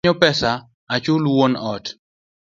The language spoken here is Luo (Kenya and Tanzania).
Amanyo pesa achul wuon ot